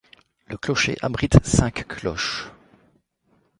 Le clocher abrite cinq cloches.